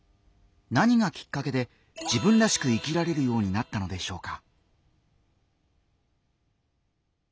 何がきっかけで自分らしく生きられるようになったのでしょうか。